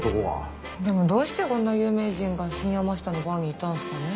でもどうしてこんな有名人が新山下のバーにいたんすかね？